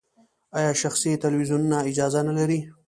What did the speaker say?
آیا شخصي تلویزیونونه اجازه نلري؟